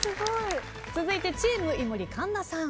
続いてチーム井森神田さん。